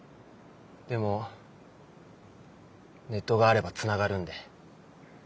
でもネットがあればつながるんで。